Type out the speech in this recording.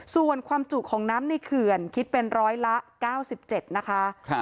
ส่วนความจุของน้ำในเขื่อนคิดเป็นร้อยละ๙๗นะคะ